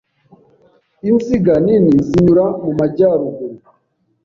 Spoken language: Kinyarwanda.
Inziga nini zinyura mu majyaruguru